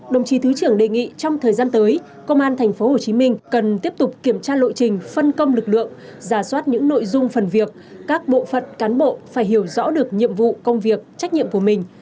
đồng chí thứ trưởng đề nghị trong thời gian tới công an tp hcm cần tiếp tục kiểm tra lộ trình phân công lực lượng giả soát những nội dung phần việc các bộ phận cán bộ phải hiểu rõ được nhiệm vụ công việc trách nhiệm của mình